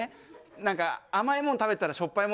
何か甘いもん食べたらしょっぱいもん